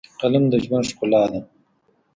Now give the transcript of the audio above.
فلم د ژوند ښکلا ده